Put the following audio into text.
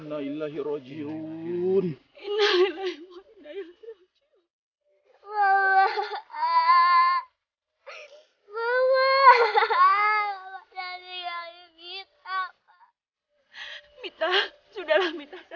saya akan menjaga mita